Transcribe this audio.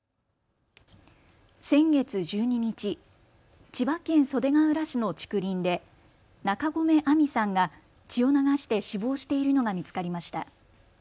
先月１２日、千葉県袖ケ浦市の竹林で中込愛美さんが血を流して死亡しているのが見つかりました。